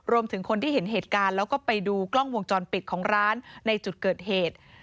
รวมถึงคนที่เห็นเหตุการณ์แล้วก็ไปดูกล้องวงจรปิดของร้านในจุดเกิดเหตุ